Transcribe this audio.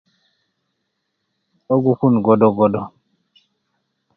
Ogu kun godgodo